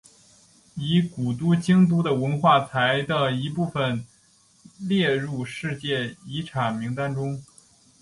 以古都京都的文化财的一部份列入世界遗产名单中。